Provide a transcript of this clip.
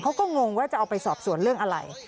งงว่าจะเอาไปสอบสวนเรื่องอะไร